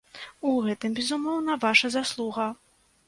У гэтым, безумоўна, ваша заслуга.